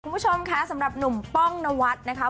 คุณผู้ชมคะสำหรับหนุ่มป้องนวัดนะคะ